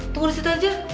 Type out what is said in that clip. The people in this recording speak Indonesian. tunggu disitu aja